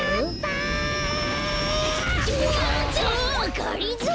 がりぞー！？